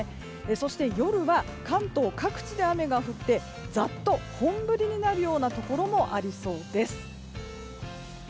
そして夜は関東各地で雨が降ってざっと本降りになるようなところもありそうです。